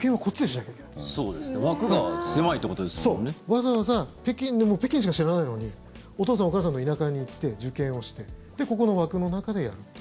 わざわざ北京でも北京しか知らないのにお父さんお母さんの田舎に行って受験をしてここの枠の中でやる。